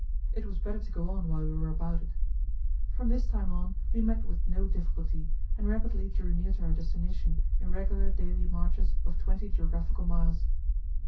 It was better to go on while we were about it. From this time on we met with no difficulty, and rapidly drew near to our destination in regular daily marches of twenty geographical miles.